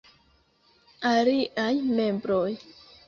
Aliaj membroj.